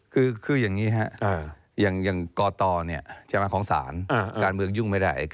คืออย่างนี้ครับอย่างกตของศาลการเมืองยุ่งไม่ได้